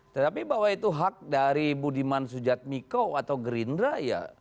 tetapi bahwa itu hak dari budiman sujatmiko atau gerindra ya